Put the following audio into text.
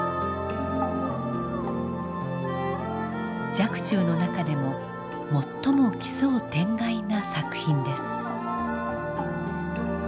若冲の中でも最も奇想天外な作品です。